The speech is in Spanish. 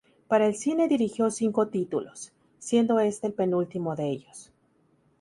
Para el cine dirigió cinco títulos, siendo este el penúltimo de ellos.